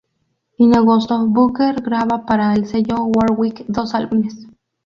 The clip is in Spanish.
En agosto, Booker graba para el sello Warwick dos álbumes.